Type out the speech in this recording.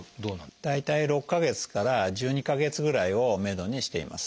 大体６か月から１２か月ぐらいをめどにしています。